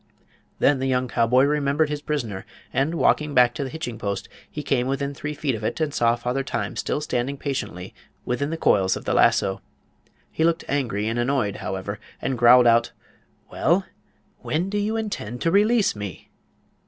Then the young cowboy remembered his prisoner, and, walking back to the hitching post, he came within three feet of it and saw Father Time still standing patiently within the toils of the lasso. He looked angry and annoyed, however, and growled out: "Well, when do you intend to release me?"